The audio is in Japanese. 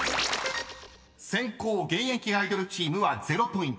［先攻現役アイドルチームは０ポイント］